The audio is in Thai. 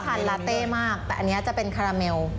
คนชอบทานลาเต้มากแต่อันนี้จะเป็นกะเมล